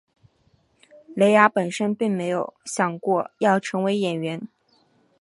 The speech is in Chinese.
蕾雅本身并没有想过要成为演员。